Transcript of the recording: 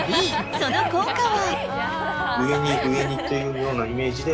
その効果は。